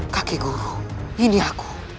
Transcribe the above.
kakek guru ini aku